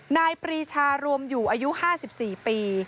ปรีชารวมอยู่อายุ๕๔ปี